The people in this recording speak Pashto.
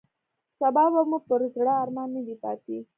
سبا به مو پر زړه ارمان نه وي پاتې.